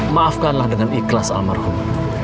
maafkanlah dengan ikhlas almarhum